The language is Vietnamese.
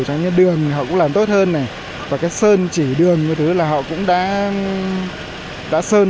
trong những đường họ cũng làm tốt hơn này và cái sơn chỉ đường và thứ là họ cũng đã sơn